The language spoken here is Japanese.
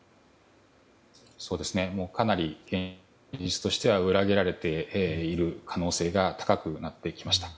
かなり現実としては裏切られている可能性が高くなってきました。